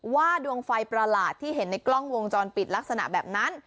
ดวงไฟประหลาดที่เห็นในกล้องวงจรปิดลักษณะแบบนั้น